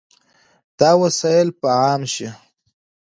دا وسایل به عام شي.